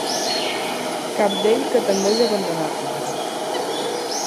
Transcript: Cabdell que tendeix a abandonar-nos.